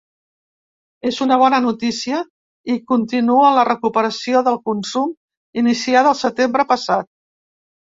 És una bona notícia, i continua la recuperació del consum iniciada el setembre passat.